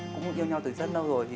cũng yêu nhau từ rất lâu rồi